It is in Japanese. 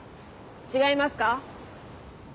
違いますか？